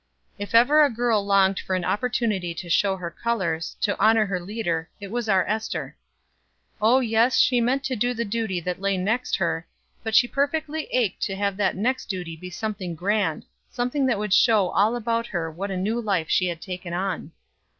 If ever a girl longed for an opportunity to show her colors, to honor her leader, it was our Ester. Oh yes, she meant to do the duty that lay next her, but she perfectly ached to have that next duty something grand, something that would show all about her what a new life she had taken on.